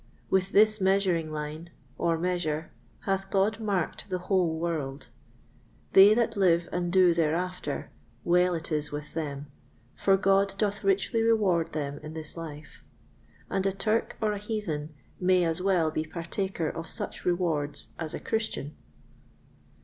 With this measuring line, or measure, hath God marked the whole world. They that live and do thereafter, well it is with them, for God doth richly reward them in this life; and a Turk or a Heathen may as well be partaker of such rewards as a Christian.